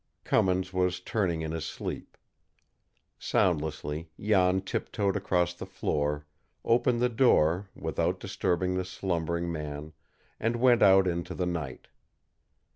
Cummins was turning in his sleep. Soundlessly Jan tiptoed across the floor, opened the door, without disturbing the slumbering man and went out into the night.